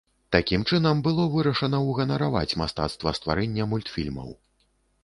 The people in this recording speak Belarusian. Такім чынам было вырашана ўганараваць мастацтва стварэння мультфільмаў.